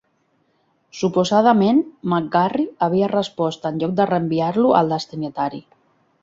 Suposadament, McGarry havia respost en lloc de reenviar-lo al destinatari.